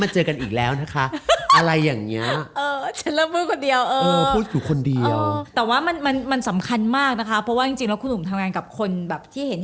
ฉันเริ่มพูดคนเดียวเออแต่ว่ามันสำคัญมากนะคะเพราะว่าจริงแล้วคุณหนุ่มทำงานกับคนแบบที่เห็นอะ